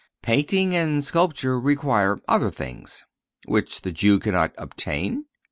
Painting and sculpture require other things." "Which the Jew cannot obtain?"